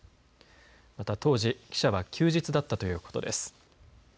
また、当時記者は休日だったということです。